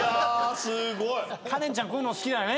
カレンちゃんこういうの好きだよね。